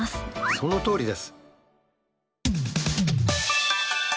そのとおりです。